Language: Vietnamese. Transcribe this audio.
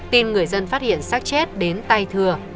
tin người dân phát hiện sát chết đến tay thưa